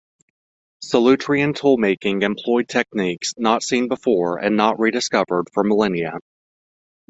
Solutrean tool-making employed techniques not seen before and not rediscovered for millennia.